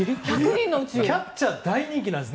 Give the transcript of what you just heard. キャッチャー大人気なんです。